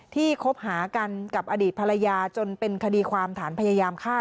คบหากันกับอดีตภรรยาจนเป็นคดีความฐานพยายามฆ่า